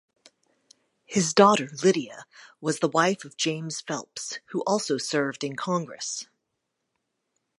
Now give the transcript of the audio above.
His daughter Lydia was the wife of James Phelps, who also served in Congress.